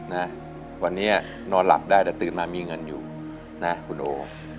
นะวันนี้นอนหลับได้แต่ตื่นมามีเงินอยู่นะคุณโอ